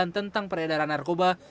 tentang peredaran narkoba